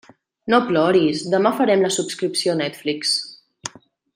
No ploris, demà farem la subscripció a Netflix.